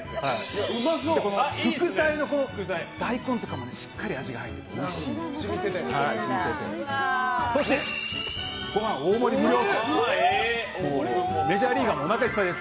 副菜の大根とかも、しっかり味が入ってておいしいんです。